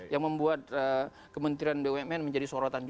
yang membuat kementerian bumn menjadi sorotan juga